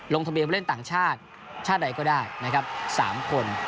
ลงทะเบียนเล่นต่างชาติชาติใดก็ได้นะครับ๓คน